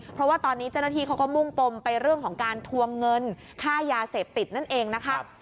เพราะว่าตอนนี้เจ้าหน้าที่เขาก็มุ่งปมไปเรื่องของการทวงเงินค่ายาเสพติดนั่นเองนะคะ